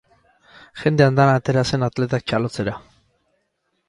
Jende andana atera zen atletak txalotzera.